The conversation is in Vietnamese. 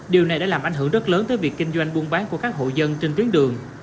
điều này đã làm ảnh hưởng rất lớn tới việc kinh doanh buôn bán của các hộ dân trên tuyến đường